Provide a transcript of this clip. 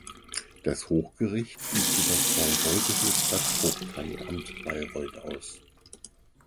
Das Hochgericht übte das bayreuthische Stadtvogteiamt Bayreuth aus.